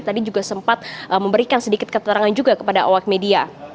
tadi juga sempat memberikan sedikit keterangan juga kepada awak media